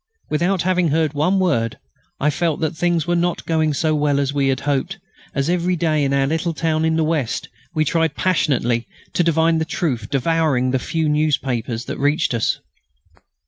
Without having heard one word, I felt that things were not going so well as we had hoped, as every day in our little town in the west we tried passionately to divine the truth, devouring the few newspapers that reached us.